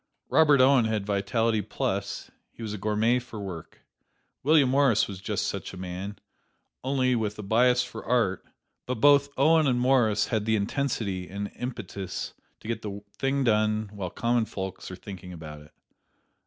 Robert Owen had vitality plus: he was a gourmet for work. William Morris was just such a man, only with a bias for art; but both Owen and Morris had the intensity and impetus which get the thing done while common folks are thinking about it.